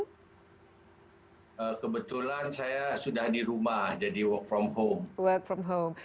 kebetulan saya sudah di rumah jadi work from home